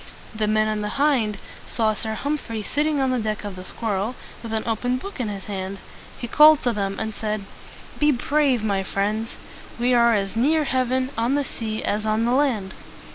The men on the "Hind" saw Sir Humphrey sitting on the deck of the "Squirrel" with an open book in his hand. He called to them and said, "Be brave, my friends! We are as near heaven on the sea as on the land."